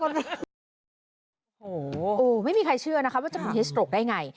โอ้โหไม่มีใครเชื่อนะคะว่าจะเป็นเฮสโตรกได้ไง